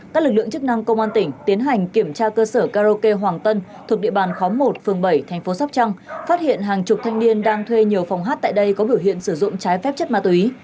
các lực lượng chức năng công an tỉnh tiến hành kiểm tra cơ sở karaoke hoàng tân thuộc địa bàn khóm một phường bảy thành phố sóc trăng phát hiện hàng chục thanh niên đang thuê nhiều phòng hát tại đây có biểu hiện sử dụng trái phép chất ma túy